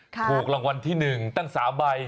ถูกรางวัลที่๑ตั้ง๓ใบ